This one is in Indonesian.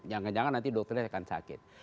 jangan jangan nanti dokternya akan sakit